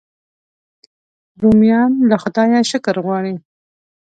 رومیان له خدایه شکر غواړي